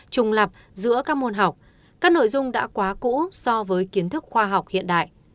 trùng lập giữa các môn học các nội dung đã quá cũ so với kiến thức khoa học hiện đại